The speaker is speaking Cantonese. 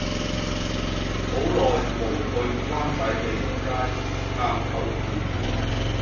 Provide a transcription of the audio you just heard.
好耐無去灣仔利東街探舅父